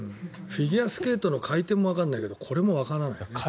フィギュアスケートの回転もわからないけどこれもわからない。